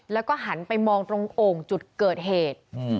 แล้วก็หันไปมองตรงโอ่งจุดเกิดเหตุ